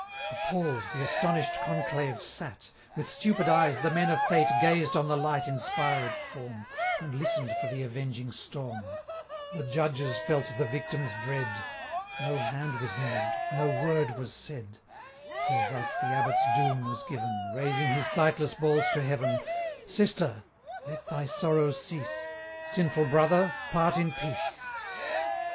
Appall'd the astonish'd conclave sate; With stupid eyes, the men of fate Gazed on the light inspired form, And listen'd for the avenging storm; 595 The judges felt the victim's dread; No hand was moved, no word was said, Till thus the Abbot's doom was given, Raising his sightless balls to heaven: 'Sister, let thy sorrows cease; 600 Sinful brother, part in peace!'